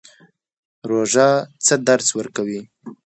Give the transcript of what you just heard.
روژه څه درس ورکوي؟